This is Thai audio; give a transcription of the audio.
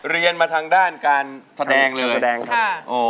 เรียนมาทางด้านการแสดงเลยแสดงค่ะ